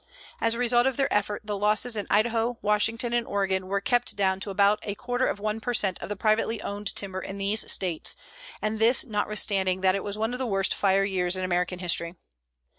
As a result of their effort the losses in Idaho, Washington and Oregon were kept down to about a quarter of 1 per cent of the privately owned timber in these States, and this notwithstanding that it was one of the worst fire years in American history.